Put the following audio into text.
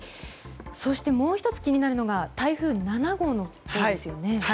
もう１つ気になるのが台風７号のほうですよね。